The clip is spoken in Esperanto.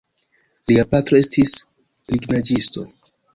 Lia patro estis lignaĵisto.